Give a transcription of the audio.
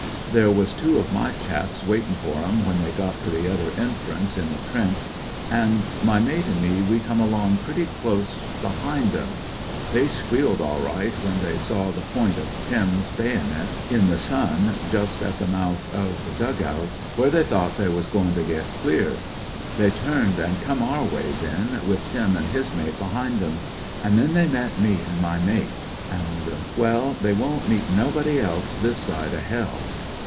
T ^ere was two o' my chaps waitin' for em when they got to the othe* ent^^nce in the trench, an' my matt me we ^me along pretty close bel M i They squealed all right when •. v . the point of Tim 's bavn ir t iun just at the mouth of the , oul, wtiere they thought they was g ir tc ?et clear. They turned an' come o .. way then, with Tim an' his mate behind 'em. An' then they met me ir my mate, an'— well, they won't mt nobody else this side o' hell.